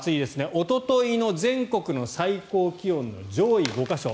おとといの全国の最高気温の上位５か所。